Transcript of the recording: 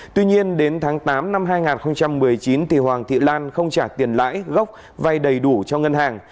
tuy nhiên đến tháng tám năm hai nghìn một mươi chín hoàng thị lan không trả tiền lãi gốc vay đầy đủ cho ngân hàng